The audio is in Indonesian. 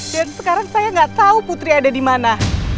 dan sekarang saya gak tahu putri ada di mana